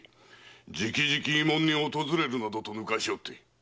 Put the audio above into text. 直々慰問に訪れるなどとぬかしおって！